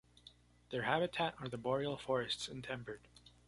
Their habitat are the boreal forests and tempered.